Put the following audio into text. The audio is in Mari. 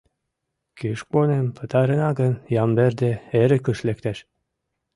Кишконым пытарена гын Ямберде эрыкыш лектеш.